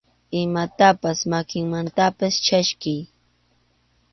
Imatapas makinmantapas chaskiy.